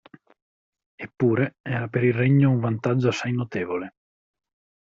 Eppure, era per il regno un vantaggio assai notevole.